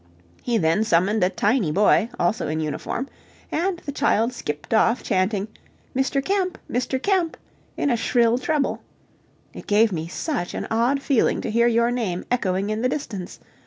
He then summoned a tiny boy, also in uniform, and the child skipped off chanting, "Mister Kemp! Mister Kemp!" in a shrill treble. It gave me such an odd feeling to hear your name echoing in the distance.